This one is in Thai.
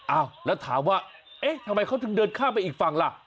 อ้าวแล้วถามว่าเอ๊ะทำไมเขาถึงเดินข้ามไปอีกฝั่งล่ะ